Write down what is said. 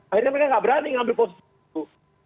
akhirnya mereka nggak berani ngambil posisi itu